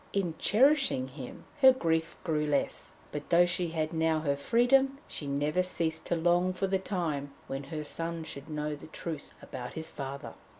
In cherishing him her grief grew less, but though she had now her freedom, she never ceased to long for the time when her son should know the truth about his father.